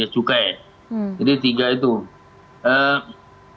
dan ketiga tindak pidana kepabianan dan cukai yang disidik oleh direktur general pajak